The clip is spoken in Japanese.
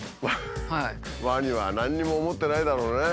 ワニは何にも思ってないだろうね。